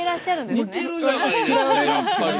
似てるじゃないですかやっぱり。